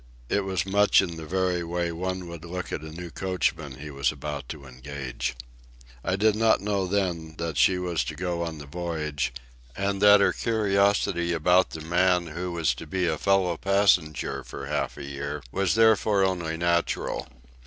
It was much in the very way one would look at a new coachman he was about to engage. I did not know then that she was to go on the voyage, and that her curiosity about the man who was to be a fellow passenger for half a year was therefore only natural.